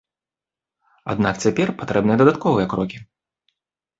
Аднак цяпер патрэбныя дадатковыя крокі.